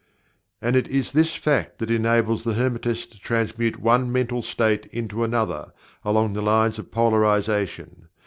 And it is this fact that enables the Hermetist to transmute one mental state into another, along the lines of Polarization.